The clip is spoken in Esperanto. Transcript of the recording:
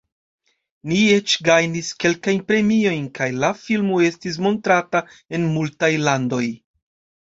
Ni eĉ gajnis kelkajn premiojn, kaj la filmo estis montrata en multaj landoj.